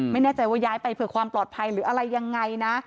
ไม่แน่ใจว่าย้ายไปเผื่อความปลอดภัยหรืออะไรยังไงนะ